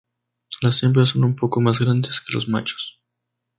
Las hembras son un poco más grandes que los machos.